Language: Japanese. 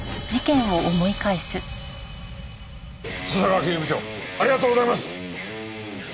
笹川刑事部長ありがとうございます！